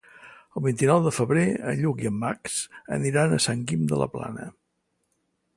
El vint-i-nou de febrer en Lluc i en Max aniran a Sant Guim de la Plana.